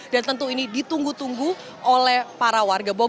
dan tentu ini ditunggu tunggu oleh para warga